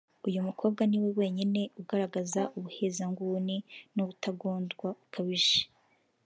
uyu mukobwa niwe wenyine ugaragaza ubuhezanguni n’ubutagondwa bukabije